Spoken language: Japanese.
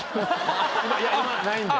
今ないんで。